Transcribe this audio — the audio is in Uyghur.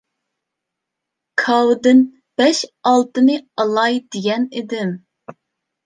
كاۋىدىن بەش-ئالتىنى ئالاي دېگەن ئىدىم.